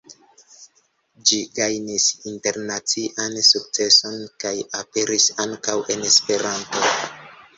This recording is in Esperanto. Ĝi gajnis internacian sukceson kaj aperis ankaŭ en Esperanto.